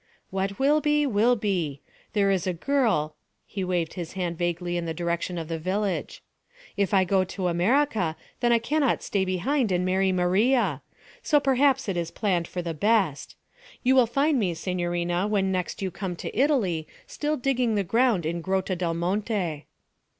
'What will be, will be. There is a girl ' he waved his hand vaguely in the direction of the village. 'If I go to America then I cannot stay behind and marry Maria. So perhaps it is planned for the best. You will find me, signorina, when next you come to Italy, still digging the ground in Grotta del Monte.'